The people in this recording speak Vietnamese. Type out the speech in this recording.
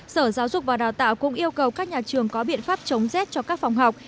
sở giáo dục và đào tạo cũng yêu cầu các nhà trường có biện pháp chống rét cho các phòng học